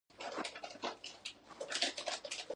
بدرنګه ذهن نه ښو ته لار ورکوي